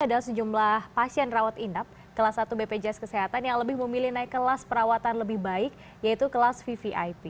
ada sejumlah pasien rawat inap kelas satu bpjs kesehatan yang lebih memilih naik kelas perawatan lebih baik yaitu kelas vvip